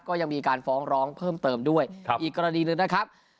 ก็ยังมีการฟ้องร้องเพิ่มเติมด้วยอีกกรณีหนึ่งนะครับ